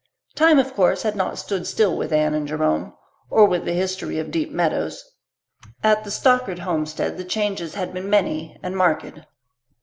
Time, of course, had not stood still with Anne and Jerome, or with the history of Deep Meadows. At the Stockard homestead the changes had been many and marked.